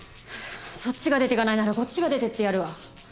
そっちが出て行かないならこっちが出てってやるわ。